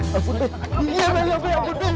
ya ampun ya ampun